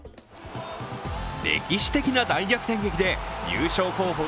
歴史的な大逆転劇で優勝候補